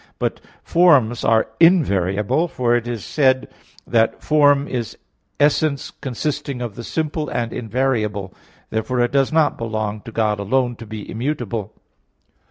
But forms are invariable; for it is said (Sex Princip. i) that "form is essence consisting of the simple and invariable." Therefore it does not belong to God alone to be immutable.